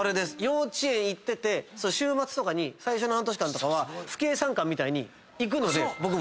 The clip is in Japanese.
幼稚園行ってて週末とかに最初の半年間とかはふけい参観みたいに行くので僕。